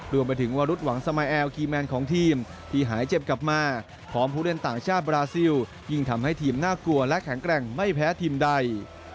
รวมไปถึงวรุษหวังสมายแอลคีย์แมนของทีมที่หายเจ็บกลับมาพร้อมผู้เล่นต่างชาติบราซิลยิ่งทำให้ทีมน่ากลัวและแข็งแกร่งไม่แพ้ทีมใด